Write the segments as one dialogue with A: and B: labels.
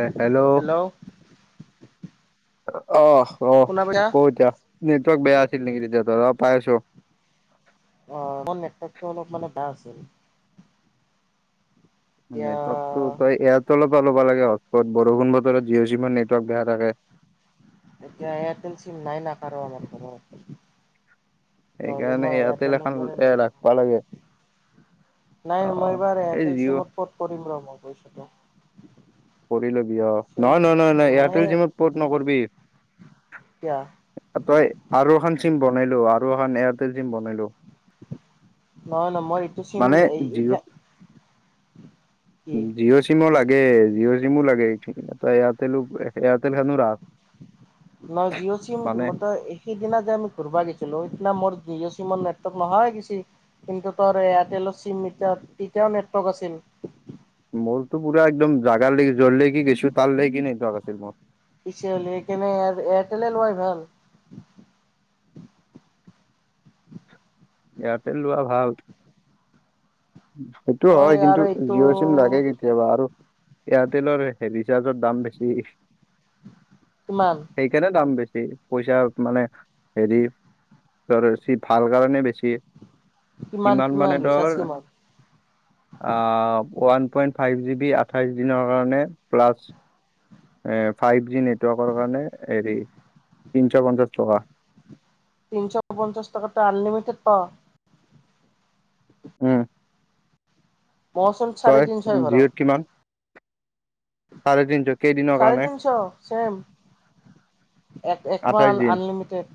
A: এ hello আহ অহ
B: শুনা পাইছা?
A: ক এতিয়া? নেটৱৰ্ক বেয়া আছিল নেকি তেতিয়া তৰা পাইছোঁ।
B: অ নেটৱৰ্কটো অলপ মানে বেয়া আছিল। এতিয়া
A: নেটৱৰ্কটো তই এয়াৰটেলৰ পৰা ল'ব লাগে হজপোট বৰষুণ বতৰত জিঅ' চিমৰ নেটৱৰ্ক বেয়া থাকে।
B: এতিয়া এয়াৰটেল চিম নাই না কাৰো আমাৰ ঘৰত। নহ'লে
A: সেইকাৰণে
B: মই
A: ইয়াতেল
B: এয়াৰটেলৰ
A: এখন
B: পৰাই
A: এ
B: ল'লো হয়।
A: ৰাখিবা লাগে।
B: নাই
A: অ
B: নাই মই এইবাৰ
A: এই
B: এয়াৰটেল
A: জিঅ'
B: চিমত পৰ্ট কৰিম ৰ মই গৈছিলো।
A: কৰি লবি অ নহয় নহয় নহয় নহয়
B: মই
A: এয়াৰটেল জিমত পৰ্ট নকৰিবি।
B: এতিয়া
A: তই আৰু এখন চিম বনাইলো আৰু এখন এয়াৰটেল চিম বনাই লো।
B: নহয় নহ মই এইটো চিম
A: মানে
B: এই
A: জিঅ'
B: থে-
A: উম জিঅ'ছ চিমো লাগে জিঅ' চিমো লাগে সেইঠিকিনে তই এয়াৰটেলো এয়াৰটেলখনো ৰাখ।
B: ন জিঅ' চিম
A: মানে
B: কিমত এ সিদিনা যে আমি ঘূৰবা গৈছিলো সেইদিনা মোৰ জিঅ' চিমৰ নেটৱৰ্ক নহাই গেছি। কিন্তু তোৰ এয়াৰটেলৰ চিম এতিয়াত তেতিয়াও নেটৱৰ্ক আছিল।
A: মোৰতো পুৰা একদম জাগাৰ লাগি জৰ লেগি গেছো তাৰ লৈ কিনে নেটৱৰ্ক আছিল মোৰ।
B: পিছে হলি কেনে এয়াৰ এয়াৰটেলে লোৱাই ভাল।
A: এয়াৰটেল লোৱা ভাল, সেইটো
B: মই
A: হয়
B: আৰু
A: কিন্তু
B: এইটো
A: জিঅ' চিম লাগে কিত- তিয়াবা আৰু এয়াৰটেলৰ হেৰি ৰিচাৰ্ছৰ দাম বেছি।
B: কিমান?
A: সেইকাৰণে দাম বেছি পইচা মানে হেৰি তৰ বেছি ভাল কাৰণে বেছ- সিয়ে কিমান
B: কিমান
A: মানে
B: ৰিচাৰ্জ
A: তৰ
B: কিমান
A: আহ one point five G B আঠাইশ দিনৰ কাৰণে প্লাছ এ ফাইভ জি নেটৱৰ্কৰ কাৰণে হেৰি তিনশ পঞ্চাশ টকা।
B: তিনিশ পঞ্চাশ টকাতট আনলিমিটেড পাওঁ।
A: উম।
B: মইচোন চাৰে
A: তই
B: তিনশই ভৰাও
A: জিঅ'ত কিমান? চাৰে তিনশ কেইদিনৰ
B: চাৰে
A: কাৰণে
B: তিনশ চেম। এক একমাহ
A: আঠাইশ দিন
B: আনলিমিটেড।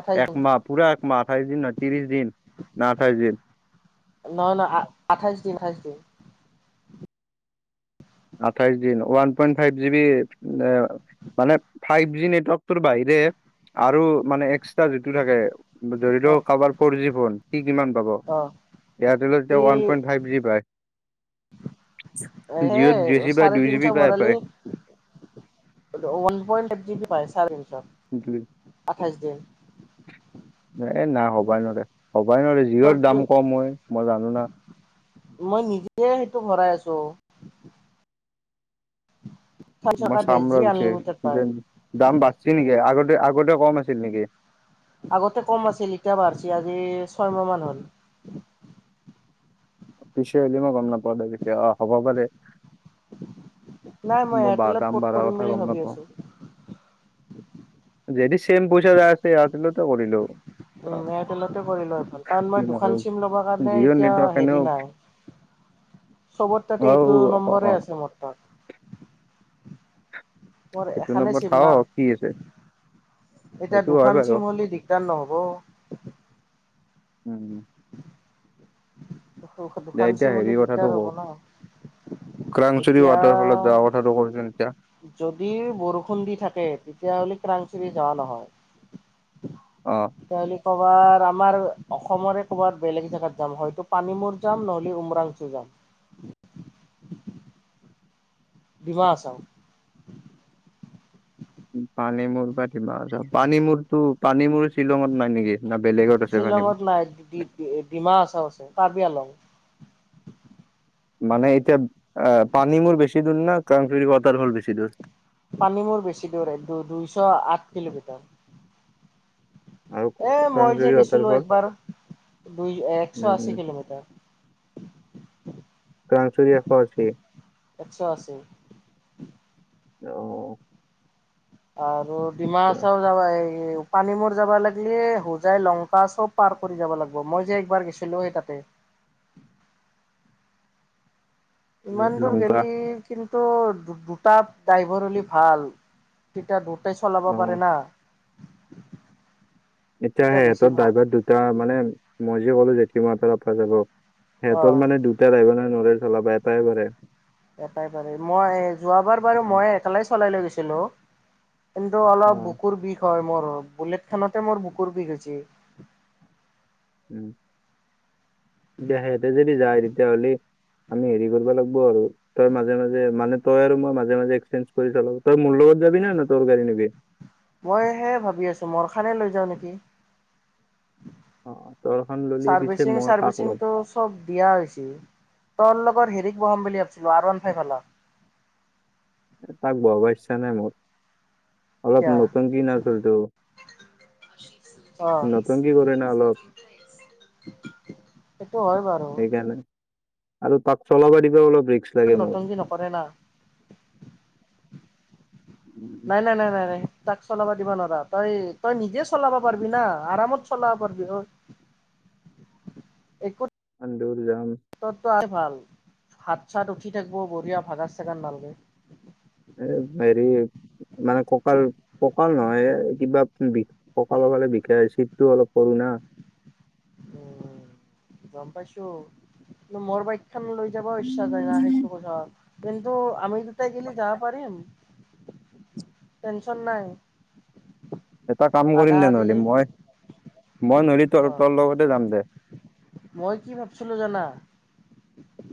B: আঠাইছ দিন
A: একমাহ পুৰা একমাহ, আঠাইশ দিন ন ত্ৰিশ দিন না আঠাইছ দিন।
B: নহয় নহ আঠাইছ দিন, আঠাইছ দিন।
A: আঠাইশ দিন ওৱান পইণ্ট ফাইভ জিবি দেঅ মানে ফাইভ জি নেটৱৰ্কটোৰ বাহিৰে আৰু মানে এক্সট্ৰা যিটো থাকে। জৰিদ
B: অ
A: কাৰবাৰ ফৰ যি ফোন? সি কিমান পাব,
B: অ
A: এয়াৰটেলত
B: সি
A: এতিয়া ওৱান পইণ্ট ফাইভ জি পায়। জিঅ'ত
B: হেই
A: দুই জি চি পায়
B: চাৰে
A: দুই জি বি
B: তিনশ
A: পায়
B: ভৰালি
A: পায়
B: ওৱান প‌ইণ্ট ফাইভ জি পায় চাৰে তিনশত।
A: এ নাই হবাই নোৱাৰে, হবাই নোৱাৰে। যিঅ'ত
B: দিন
A: দাম কম হয়, মই জানো না।
B: মই নিজে সেইটো ভৰাই আছো। চাৰি
A: মই
B: টকা ডেৰ
A: চাম
B: জি
A: ৰ
B: বি
A: পিছে
B: আনলিমিটেড পায়
A: যে দাম বাৰচে নেকি আগতে, আগতে কম আছিল নেকি?
B: আগতে কম আছিল, ইতিয়া বাঢ়ছে আজি ছয়মাহ মান হল।
A: পিছে আজি মই গম নাপাওঁ দে পিছে অ হ'ব পাৰে।
B: নাই
A: মই
B: এয়াৰটেলত
A: বাৰ্তাম
B: পৰ্ট
A: বাৰ
B: কৰিম
A: কথা
B: বুলি
A: গম
B: ভাবি
A: নাপাওঁ।
B: আছোঁ।
A: যদি চেম পইচা যায় আছে, এয়াৰ টেলতে কৰিলো
B: উম', এয়াৰটেলতে কৰি লোৱাই ভাল কাৰণ
A: কি
B: মই দুখান
A: নহল
B: চিম লব কাৰণে
A: জিঅ'
B: এতিয়া
A: নেটৱৰ্ক
B: হেৰি নাই।
A: [inaudible]
B: চবৰ তাতে
A: অ
B: এইটো
A: অ অ
B: নম্বৰে আছে মোৰ তাত। মোৰ
A: সেইটো
B: এখানে
A: নম্বৰ
B: চিম
A: থাও
B: না।
A: কি আছে
B: এতিয়া
A: সেইটো হয়
B: দুখান
A: বাৰু
B: চিম হলে দিগদাৰ নহব?
A: উম'।
B: দুহ দুহ
A: দে
B: দুখান
A: এতিয়া
B: চিম
A: হেৰি
B: হ'লি দিগদাৰ হ'ব ন।
A: ক্ৰাংচুুৰী
B: এতিয়া
A: ৱাটাৰফলত যোৱা কথাটো ক চোন এতিয়া।
B: যদি বৰষুণ দি থাকে, তেতিয়াহ'লে ক্ৰাংচুৰি যাৱা নহয়।
A: অ'।
B: তেতিয়াহ'লে কৰ'বাৰ আমাৰ অসমৰে ক'বাত বেলেগ জেগাত যাম হয়তো পানী মূৰ যাম, নহ'লে উমৰাং চো যাম। ডিমা হাছাও
A: পানী মূৰ বা ডিমা হাছাও, পানী মূৰটো পানী মূৰ শ্বিলঙত নাই নেকি? না বেলেগত আছে পানী
B: [unintelligible] ডে ডিমা হাছাও আছে, কাৰ্বি আলং।
A: মানে এতিয়া, আহ পানী মূৰ বেছি দূৰ না ক্ৰাংচুৰি ৱাটাৰ ফল বেছি দূৰ?
B: পানী মোৰ বেছি দূৰ হয়, দু-দুইশ আঠ কিলোমিটাৰ।
A: আৰু
B: এ মই
A: ক্ৰাংচুৰি
B: যে
A: ৱাটাৰ
B: গেছিলো
A: ফল
B: একবাৰ। দুই- একশ
A: উম
B: আশী
A: উম
B: কিলোমিটাৰ।
A: ক্ৰাংচুৰি এশ আশী।
B: একশ আশী আৰু ডিমা
A: অ
B: হাছাও? যোৱা বা এই পানী মূৰ যাব লাগিলে হোজাই লংকা চব পাৰ কৰি যাব লাগব মই যে এইবাৰ গেছ। এ লৈ তাতে। ইমান দূৰ
A: লংকা
B: গে'লি কিন্তু দু দুটা ড্ৰাইভৰ হ'লি ভাল তেতিয়া দু টাই চলাব
A: অ
B: পাৰে না।
A: এতিয়া
B: তেতিয়া বেছি
A: হেহঁতৰ
B: ভাল
A: ড্ৰাইভৰ দুটা মানে মই যে কলো জেঠী মা হত পৰা যাব।
B: অ
A: হেহঁতৰ মানে দুটা ড্ৰাইভাৰ নৰে চলাবা এটাই পাৰে।
B: এটাই পাৰে মই যোৱাবাৰ বাৰু
A: অ
B: মই একালে চলাই লৈ গৈছিলো। কিন্তু অলপ
A: অ'
B: বুকুৰ বিষ হয় মোৰ, বুলেট খনতে মোৰ বুকুৰ বিষ হৈছে।
A: উম', দে হেতে যদি যায় তেতিয়াহ'লে আমি হেৰি কৰিব লাগিব আৰু তই মাজে মাজে মানে তই আৰু মই মাজে মাজে এক্সেঞ্জ কৰি চলাব তই মোৰ লগত যাবি নে তোৰ গাড়ী নিবি?
B: মই সেই ভাবি আছো মোৰখানে লৈ যাওঁ নেকি।
A: অ তৰখন ললি পিছে
B: চাৰভিচিং
A: মই কাক ল'ম
B: চাৰভিচিংটো চব দিয়া হৈছিল তৰ লগত হেৰিক বহাম বুলি ভাবিছিলো আৰ ৱান ফাইভ ফালা।
A: তাক বহাব ইচ্ছা নাই মোৰ। অলপ
B: এতিয়া
A: নতুংকি নাচলতটো
B: অ'।
A: নতংকি কৰে ন অলপ।
B: সেইটো হয় বাৰু
A: সেইকাৰণে আৰু তাক চলাব দিবা অলপ ৰিক্সা,
B: নতুংকি নকৰে না, নাই-নাই-নাই-নাই-নাই তাক চলাব দিব নোৱাৰা তই, তই নিজে চলাব পাৰিবি না আৰামত চলাব পাৰিবি অ
A: [inaudible]
B: একো
A: আন্দুৰ জাম।
B: তাৰতো আৰু ভাল হাত চাত উঠি থাকিব বঢ়িয়া ভাগাৰ চাগাৰ নালাগে।
A: এ হেৰি মানে কঁকাল কঁকাল নহয় এ কিবা বিষ কঁকালৰ ফালে বিষাই আছে চীতটো অলপ সৰু না।
B: উম গম পাইছো কিন্তু মোৰ বাইক খান লৈ যাব ইচ্ছা যায় না সেইটো কথা। কিন্ত আমি দুটাই গেলে যাবা পাৰিম। টেনচন নাই।
A: এটা কাম কৰিম
B: আধা
A: দে
B: আধি
A: নহলে মই, মই নহলে
B: অ
A: তই তোৰ লগতে যাম দে।
B: মই কি ভাবছিলো জানা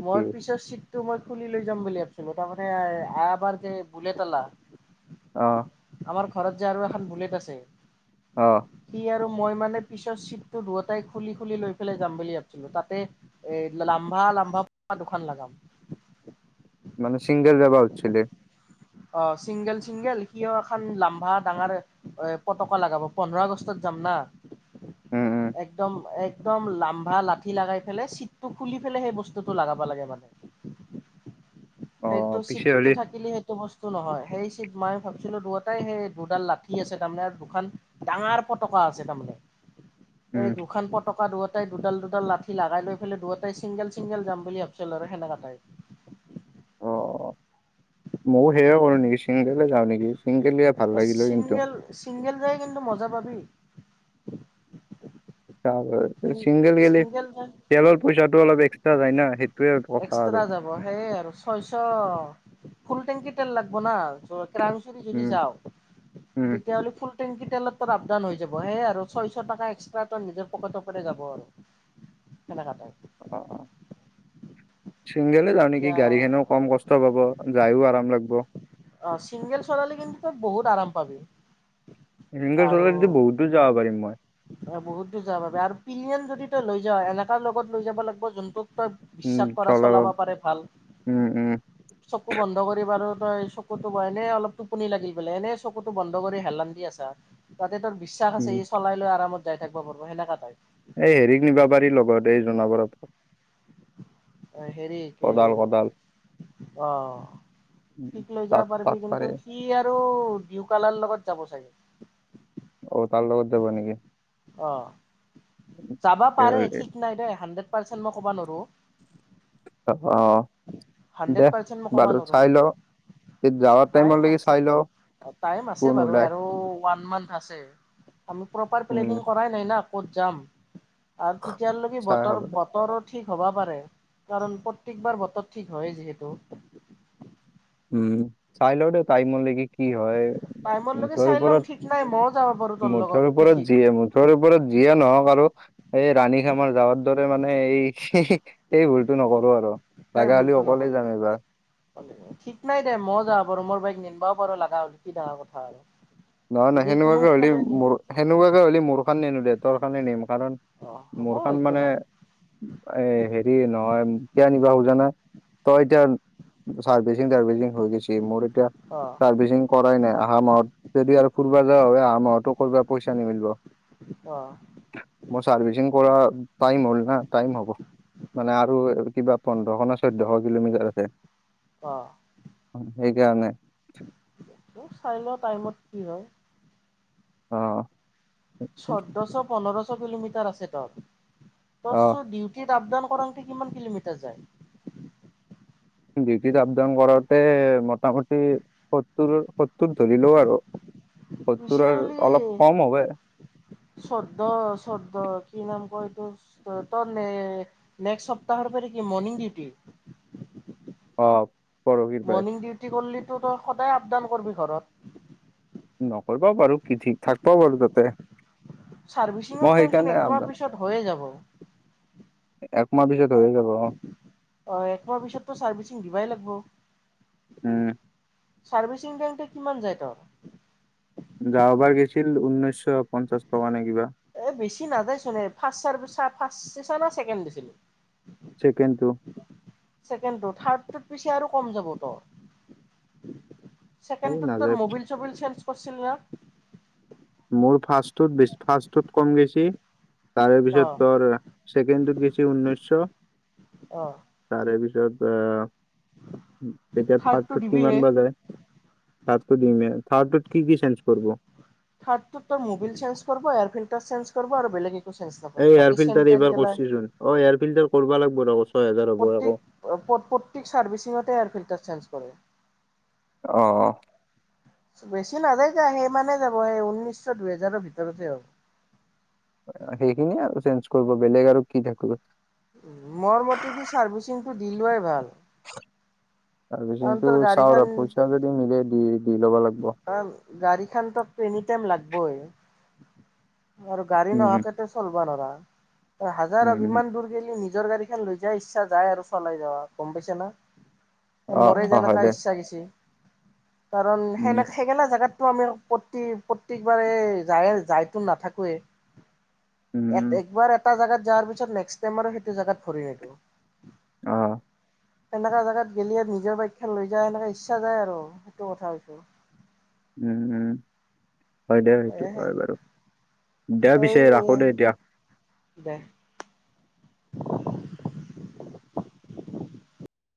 B: মই
A: কি
B: পিছত চিত টো মই খুলি লৈ যাম বুলি ভাবিছিলো তাৰমানে এবাৰ যে বুলট অলা
A: অ
B: আমাৰ ঘৰত যে আৰু এখন বুলেট আছে
A: অ
B: সি আৰু মই মানে পিছৰ চিটটো দুয়টাই খুলি খুলি লৈ পেলাই যাম বুলি ভাবিছিলো তাতে এই লাম্বা-লাম্বা পাতাকা দুখন লগাম।
A: মানে চিংগাল যাবা উঠিছিলি।
B: অ চিংগল চিংগল সিও এখন লাম্বা ডাঙৰ এ পতকা লগাব পোন্ধৰ আগষ্টত যাম না।
A: উম, উম।
B: একদম একদম লাম্বা লাঠি লগাই পেলাই চিটটো খুলি পেলাই সেই বস্তুটো লগাব লাগে মানে।
A: অ
B: সেইটো
A: পিছে
B: চিটটো
A: হ'লি
B: থাকিলে সেই বস্তু নহয় সেই মই ভাবিচিলো দুয়োটাই সেই দুডাল লাঠি আছে তাৰমানে আৰু দুখন ডাঙৰ পতকা আছে তাৰমানে
A: [inaudible]
B: এই দুখন পতকা দৰত সেই দুডাল-দুডাল লাঠি লগাই লৈ পেলাই দুয়োটাই চিংগল-চিংগল যাম বুলি ভাবিছিল আৰু সেনেকাই।
A: অ মইও সেয়াই কৰো নেকি? চিংগেলই যাও নেকি? ছিংগল গলে ভাল লাগিল হয় কিন্তু
B: চিংগেল, চিংগেল যাই কিন্তু মজা পাবি।
A: চিংগল গিলে
B: ছিংগল যাই
A: তেলৰ পইচাটো অলপ এক্সটা যায় না সেইটোৱে কথা আৰু
B: সেই আৰু ছয়চ ফুল টেংকি তেল লাগব না ত সেই যদি
A: উম
B: যাও
A: উম
B: তেতিয়াহ'লে ফুল টেংকি তেলত তাত আপ-ডাউন হৈ যাব সেয়ে আৰু ছয়চ টকা এক্সটা তৰ নিজৰ পকেটৰ পৰা যাব আৰু
A: [inaudible]
B: কেনেকা তই?
A: অ, অ চিংগলেই যাও নেকি?
B: এতিয়া
A: গাড়ী খনেও কম কষ্ট কষ্ট পাব, যাইয়ো আৰাম লাগিব।
B: অ চিংগল চলালী কিন্তু তই বহুত আৰাম পাবি।
A: চিংগল চলালে যদি বহুত দৰ যাব পাৰিম মই।
B: অ বহুত দূৰ যোৱাৰ বাবে আৰু পিলিয়ন যদি তই লৈ যাৱ এনেকা লগত লৈ যাব লাগিব যোনটোত তই, বিশ্বাস কৰা চলাব পাৰে ভাল।
A: উম উম
B: চকু বন্ধ কৰি বাৰু তই চকুতো এনে অলপ টোপনি লাগিল বোলে, এনে চকুতো বন্ধ কৰি হেলান্ দি আছা তাতে তোৰ বিশ্বাস আছে,
A: উম
B: ই চলাই লৈ আৰামত যাই থাকিব পাৰব সেনেকা তাই।
A: এই হেৰিক নিব পাৰি লগত, এই জুনবত
B: অ হেৰি কি
A: কদাল কদাল
B: অ
A: উম,
B: ঠিক লৈ
A: তাক
B: যাব পাৰিবি
A: তাক
B: কিন্তু!
A: পাৰে
B: কি আৰু দিউকালাৰ লগত যাব চাগে?
A: অ তাৰ লগত যাব নেকি?
B: অ, যাবা পাৰে ঠিক নাই দেই হাড্ৰেড পাৰ্চেন্ট মই ক'বা নোৱাৰো।
A: অ অ
B: হাণ্ড্ৰেড
A: দে
B: পাৰ্চেন্ট মই ক'বা
A: বাৰু
B: নোৱাৰো
A: চাই ল যাৱাৰ
B: টাইম
A: টাইমলৈকে
B: আছে,
A: চাই ল
B: টাইম আছে
A: কোন
B: বাৰু,
A: ওলাই
B: আৰু ওৱান মান্থ আছে। আমি প্ৰপাৰ
A: উম
B: প্লেনিং কৰাই নাই না ক'ত যাম? আৰু তেতিয়ালৈকে
A: চাই
B: বতৰ
A: হ'ব দে
B: বতৰত ঠিক হ'বা পাৰে, কাৰণ প্ৰত্যেকবাৰ বতৰ ঠিক হয় যিহেতু,
A: উম। চাই ল দে টাইমলৈকে কি হয়?
B: টাইমৰলৈকে
A: মুঠৰ
B: চাই লম,
A: ওপৰত
B: ঠিক নাই মইও যাব পাৰো তোৰ লগত কি ঠিক
A: তোৰ ওপৰত জিয়ে নহওক আৰু এই ৰাণী খামাৰ যাৱাৰ দৰে মানে, এই এই ভুলতো নকৰো আৰু।
B: সেই
A: লাগা হলি
B: ভুলটো
A: অকলে
B: নকৰিবি
A: যাম এইবাৰ।
B: ঠিক নাই দে মই যাবা পাৰোঁ, মোৰ বাইক নিনবাও পাৰো লগা হল কি কথা আৰু।
A: নহয় নহয়,
B: যদি
A: সেনেকুৱাকে হ'লে
B: কোনোফালে নি
A: মোৰ সেনেকুৱাকে হল মোৰ খান নিনো দে তোৰ খান নিম। মোক কাৰণ
B: অ হ'ব
A: মোৰখন
B: একো
A: মানে
B: নাই
A: এ হেৰি নহয় কিয়নিবা খোজা নাই? তই এটা চাৰ্ভিচিং টাৰ্ভিচিং হৈ গৈছে মোৰ এয়া
B: অ
A: ছাৰ্ভিচিং কৰাই নাই, অহা মাহত যদি আৰু ফোৰবা যোৱা হয়, অহা মাহতো কৰিব পইচা নিমিলিব।
B: অ
A: মোৰ চাৰ্ভিচিং কৰা টাইম হ'ল না? টাইম হ'ব মানে আৰু কিবা পোন্ধৰশ নে চৈধ্যশ কিলোমিটাৰ আছে।
B: অ
A: অ সেইকাৰণে
B: চাই লোৱা টাইমত কি হয়?
A: অ
B: চৈধ্যশ, পোন্ধৰশ কিলোমিটাৰ আছে ত, ত
A: অ
B: চউি আপ ডাউন কৰোতে কিমান কিলোমিটাৰ যায়?
A: ডিউটিত আপ ডাউন কৰোতে মোটামোটি, সত্তৰ সত্তৰ ধৰি লও আৰু, সত্তৰৰ অলপ কম হব।
B: চৰদ চৰ্দ কি নাম কয় ত তনে নেক্সট সপ্তাহৰ পৰা কি মৰ্ণিং ডিউটি?
A: অ পৰহিৰ পৰাই
B: মৰ্ণিং ডিউটি কৰলিতো তই সদায় আপ ডাউন কৰবি ঘৰত
A: নকৰিবাও পাৰো কি থিক থাকবাও পাৰো তাতে
B: চাৰ্ভিচিঙৰ
A: মই
B: টাইম চোন
A: সেইকাৰণে
B: একমাহ পিছত হৈয়ে যাব
A: একমাহ পিছত হৈ যাব
B: হয় একমাহ পিছততো চাৰ্ভিচিং দিবই লাগিব
A: উম
B: চাৰ্ভিচিং দিংতে কিমান যায় নো
A: যোৱাবাৰ গৈছিল ঊনৈশচ পঞ্চাশ টকা নে কিবা
B: এই বেছি নাযাই চোন এ ফাষ্ট চাৰা ফাষ্ট না ছেকেণ্ড দিছিলি
A: ছেকেণ্ডতো
B: ছেকেণ্ডটো থাৰ্ডটোত পিছে আৰু কম যাব তোৰ
A: এই
B: ছেকেণ্ডটোত
A: নাযায়
B: তোৰ মবিল চবিল চেঞ্জ কৰিছিল না
A: মোৰ ফাষ্টটোত বেছ ফাষ্টটোত কম গৈছে তাৰ পিছত
B: অ',
A: তোৰ ছেকেণ্ডটোত গৈছে ঊনৈশচ
B: অ
A: তাৰে ভিতৰত আহ তেতিয়া থাৰ্ডটো কিমান বা লয় থাৰ্ডটো দিমে থাৰ্ডটো কি কি চেঞ্জ কৰিব
B: থাৰ্ডটোত মবিয়েল চেঞ্জ কৰিব এয়াৰ ফিলটাৰ চেঞ্জ কৰিব আৰু বেলেগ একো চেঞ্জ নকৰে।
A: এই এয়াৰ
B: বাকী চেন
A: ফিল্টাৰ
B: তেন
A: এইবাৰ
B: গেলা
A: কৰিছোচোন অ এয়াৰ ফিল্টাৰ কৰিব লাগিব ৰব ছয় হাজাৰ লব আকৌ
B: প প প্ৰত্যেক চাৰ্ভিচিংতে এয়াৰ ফিল্টাৰ চেঞ্জ কৰিব
A: অ অ
B: বেছি নাযায় যে সেই সিমানে যাব সেই ঊনৈশ দুইহেজাৰৰ ভিতৰতে হ'ব
A: সেইখিনিয়ে আৰু চেঞ্জ কৰিব বেলেগ আৰু কি থাকিব
B: মোৰ মতেদি ছাৰ্ভিচিংটো দি লোৱাই ভাল কাৰণ
A: ছাৰ্ভিচিংটো
B: তোৰ
A: চাও
B: গাড়ীখন
A: ৰ পইচা যদি মিলে দি দি ল'ব লাগিব
B: গাড়ীখনটো এনি টাইম লাগবই আৰু গাড়ী
A: উম
B: নহাকেতো একো কৰিব নোৱাৰা হাজাৰ
A: উম
B: অভিমান কৰিলো আজিকালি নিজৰ গাড়ীখন লৈ যায় ইচ্ছা যায় আৰু চলাই যাৱা গম পাইছা না
A: অ
B: মৰে
A: অ হয়
B: যেনেকা
A: দে
B: ইচ্ছা গৈছে কাৰণ
A: উম
B: সেনে সেইনকা টো আমি প্ৰতি প্ৰত্যেকবাৰে যায়ে যায়তো নাথাকোৱে এক
A: উম
B: একবাৰ এটা জেগাত যোৱাৰ পিছত নেক্স টাইম আৰু সেইটো জেগাত ভৰি নিদো
A: অ
B: সেনেকা জাগাত গেলে নিজৰ বাইক খন লৈ যায় এনেকা ইচ্ছা যায় আৰু সেইটো কথা হৈছে
A: উম উম হয় দে সেইটো
B: এ
A: হয় বাৰু দে পিছে ৰাখো
B: এই
A: দে এতিয়া
B: দে